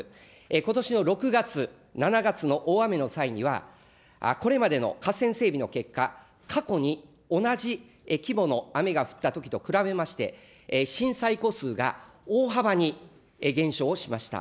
ことしの６月、７月の大雨の際には、これまでの河川整備の結果、過去に同じ規模の雨が降ったときと比べまして、震災戸数が大幅に減少をしました。